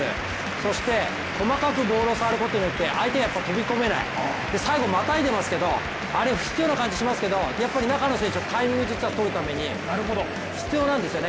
そして細かくボールを触ることによって相手が飛び込めない最後、またいでますけど不必要な感じがしますけど、中の選手がタイミングをとるために必要なんですよね。